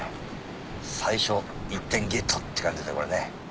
最初１点ゲットって感じですね。